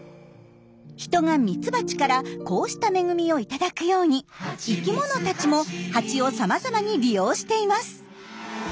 人がミツバチからこうした恵みを頂くように生きものたちもハチをさまざまに利用しています。